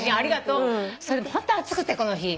ホント暑くてこの日。